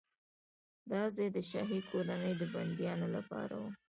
دا ځای د شاهي کورنۍ د بندیانو لپاره و.